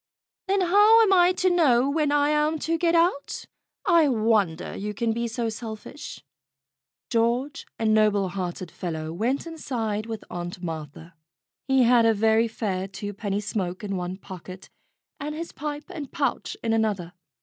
"Then how am I to know where I am to get out ? I wonder you can be so selfish." George, a noble hearted fellow, went inside with Aunt Martha. He had a very fair twopenny smoke in one pocket, and his pipe and pouch in another.